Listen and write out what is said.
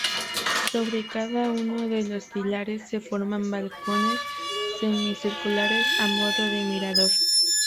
Sobre cada uno de los pilares se forman balcones semicirculares, a modo de mirador.